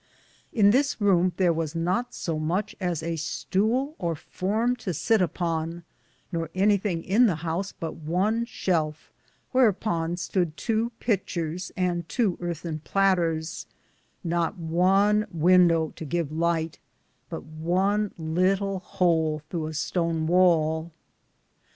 In this roume thare was not so muche as a stoule or forme to sitt upon, nor anythinge in the house but one shelfe, whereon stood tow pitcheres and tow earthen plateres ; note one wyndoe to give lyghte, but one litle hole throughe a stone wale.